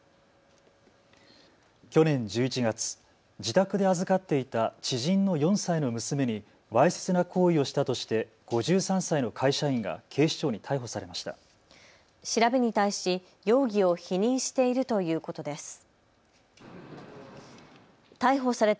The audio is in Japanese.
去年１１月、自宅で預かっていた知人の４歳の娘にわいせつな行為をしたとして５３歳の会社員が警視庁に逮捕されました。